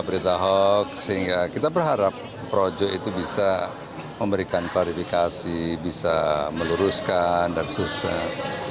berita hoax sehingga kita berharap projo itu bisa memberikan klarifikasi bisa meluruskan dan susah